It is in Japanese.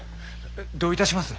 どういたします？